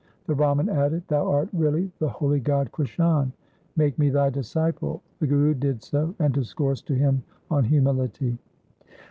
The Brahman added, ' Thou art really the holy god Krishan. Make me thy disciple.' The Guru did so and discoursed to him on humility.